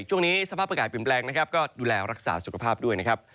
ช่วงนี้สภาพอากาศเปลี่ยนแปลงนะครับก็ดูแลรักษาสุขภาพด้วยนะครับ